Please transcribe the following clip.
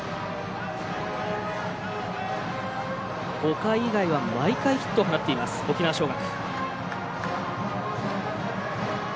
５回以外は毎回ヒットを放っている沖縄尚学。